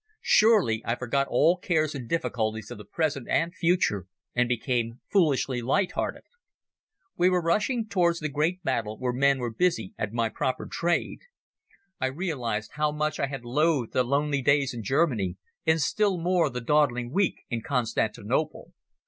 Suddenly I forgot all cares and difficulties of the present and future and became foolishly light hearted. We were rushing towards the great battle where men were busy at my proper trade. I realized how much I had loathed the lonely days in Germany, and still more the dawdling week in Constantinople.